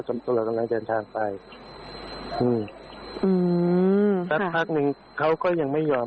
ตรงนั้นเดินทางไปอืมอืมครับแล้วพักหนึ่งเขาก็ยังไม่ยอม